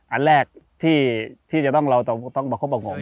อันแรกที่จะต้องเราต้องประคบประงม